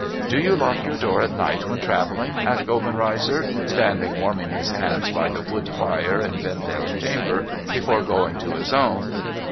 ' Do you lock your door at night when travelling ?' asked Obenreizer, standing warming his hands by the wood fire in Vendale's chamber, before going to his own.